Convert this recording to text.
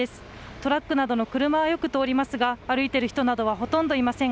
トラックなどの車はよく通りますが歩いている人などはほとんどいません。